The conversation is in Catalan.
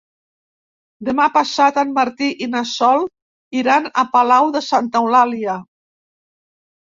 Demà passat en Martí i na Sol iran a Palau de Santa Eulàlia.